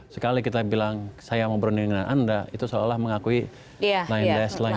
sekali kita bilang saya mau berunding dengan anda itu seolah mengakui sembilan line